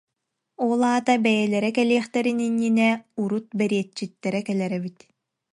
Ол аата бэйэлэрэ кэлиэхтэрин иннинэ урут бэриэтчиттэрэ кэлэр эбит